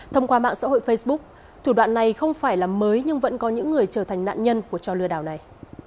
thông qua mạng xã hội facebook thủ đoạn này không phải là mới nhưng vẫn có những người trở thành nạn nhân của trò lừa đảo này